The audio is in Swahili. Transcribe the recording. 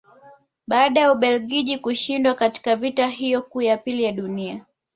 Baada ya Ubelgiji kushindwa katika vita hiyo kuu ya pili ya Dunia